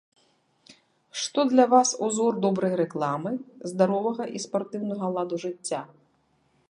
Што для вас ўзор добрай рэкламы здаровага і спартыўнага ладу жыцця?